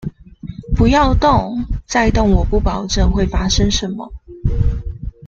不要動，再動我不保證會發生什麼